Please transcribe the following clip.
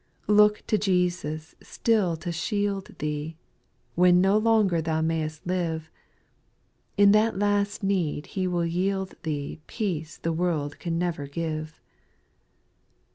6. Look to Jesus still to shield thee. When no longer thou may'st live : In that last need He will yield thee Peace the world can never give.